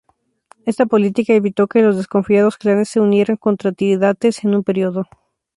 Esta política evitó que los desconfiados clanes se unieran contra Tirídates en un periodo.